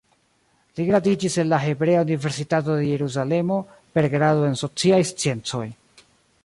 Li gradiĝis el la Hebrea Universitato de Jerusalemo per grado en sociaj sciencoj.